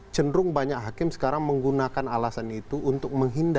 cenderung banyak hakim sekarang menggunakan alasan itu untuk menghindari